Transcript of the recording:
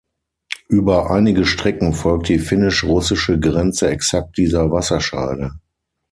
Über einige Strecken folgt die finnisch-russische Grenze exakt dieser Wasserscheide.